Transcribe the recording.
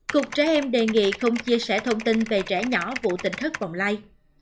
cục trẻ em đề nghị không chia sẻ thông tin về trẻ nhỏ vụ tỉnh thất bọng lây